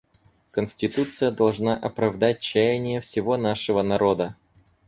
Конституция должна оправдать чаяния всего нашего народа.